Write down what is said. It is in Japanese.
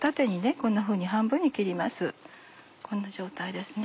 こんな状態ですね。